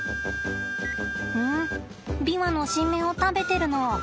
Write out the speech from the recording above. ビワの新芽を食べてるの？